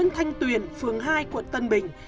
thanh tuyền phường hai quận tân bình